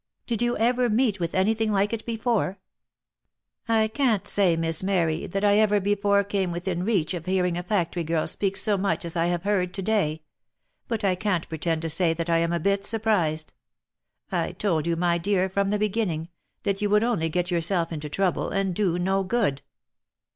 Did you ever meet with any thing like it before?" " I can't say, Miss Mary, that I ever before came within reach of hearing a factory girl speak so much as I have heard to day. But I can't pretend to say that I am a bit surprised. I told you, my dear, from OF MICHAEL ARMSTRONG. 157 the beginning, that you would only get yourself into trouble, and do no good.